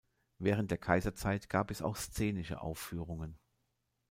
Während der Kaiserzeit gab es auch szenische Aufführungen.